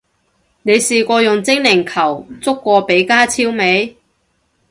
你試過用精靈球捉過比加超未？